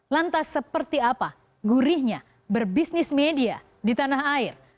lantas seperti apa gurihnya berbisnis media di tanah air